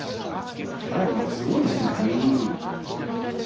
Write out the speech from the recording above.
ギャラリーがすごいですね。